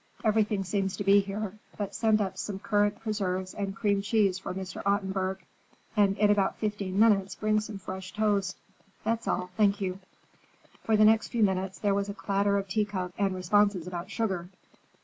Everything seems to be here, but send up some currant preserves and cream cheese for Mr. Ottenburg. And in about fifteen minutes, bring some fresh toast. That's all, thank you." For the next few minutes there was a clatter of teacups and responses about sugar.